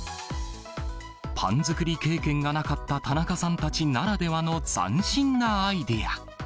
パン作り経験がなかった田中さんたちならではの斬新なアイデア。